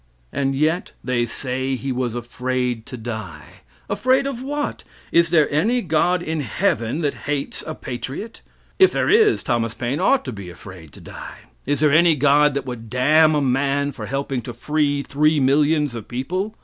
"And yet they say he was afraid to die! Afraid of what? Is there any God in heaven that hates a patriot? If there is Thomas Paine ought to be afraid to die. Is there any God that would damn a man for helping to free three millions of people?